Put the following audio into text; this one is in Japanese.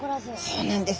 そうなんです。